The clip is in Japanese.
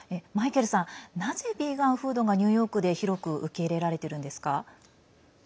なぜビーガンフードがニューヨークで広く受け入れられているんですか。